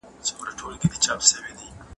بهانه مې جوړه ده اوس بل به يار کومه